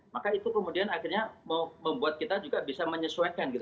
maka itu kemudian akhirnya membuat kita juga bisa menyesuaikan